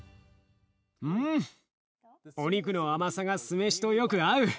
うんお肉の甘さが酢飯とよく合う。